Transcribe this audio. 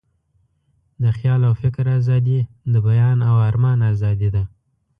د خیال او فکر آزادي، د بیان او آرمان آزادي ده.